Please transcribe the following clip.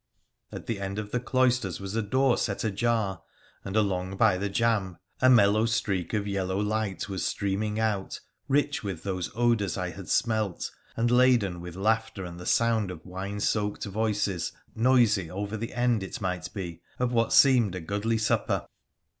At the end of the cloisters was a door set ajar, and along by the jamb a mellow streak of yellow light was streaming out, rich with those odours I had smelt and laden with laughter and the sound of wine soaked voices noisy over the end, it might be, of what seemed a goodly supper.